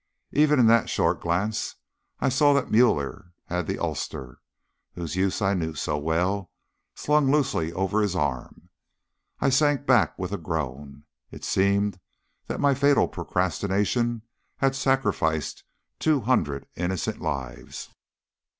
Even in that short glance I saw that Müller had the ulster, whose use I knew so well, slung loosely over his arm. I sank back with a groan. It seemed that my fatal procrastination had sacrificed two hundred innocent lives.